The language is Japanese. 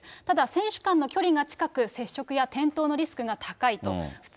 ただ、選手間の距離が近く、接触や転倒のリスクが高いと。